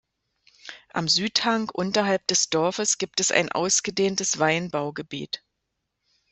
Am Südhang unterhalb des Dorfes gibt es ein ausgedehntes Weinbaugebiet.